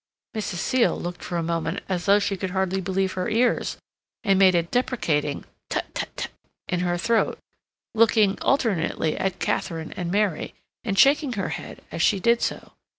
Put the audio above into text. Mrs. Seal looked for a moment as though she could hardly believe her ears, and made a deprecating "tut tut tut" in her throat, looking alternately at Katharine and Mary, and shaking her head as she did so.